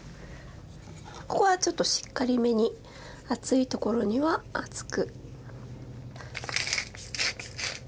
ここはちょっとしっかりめに厚いところには厚く。